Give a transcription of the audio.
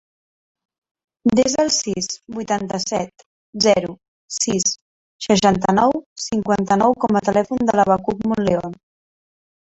Desa el sis, vuitanta-set, zero, sis, seixanta-nou, cinquanta-nou com a telèfon del Abacuc Monleon.